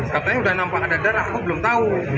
katanya udah nampak ada darah aku belum tahu